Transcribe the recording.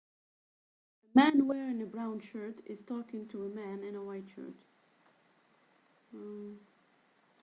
A man wearing a brown shirt is talking to a man in a white shirt